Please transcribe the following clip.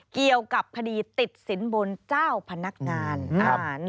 เกี่ยวกับคดีติดสินบนเจ้าพนักงาน